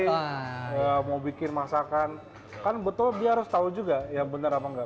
saya mau bikin masakan kan betul dia harus tahu juga ya benar apa enggak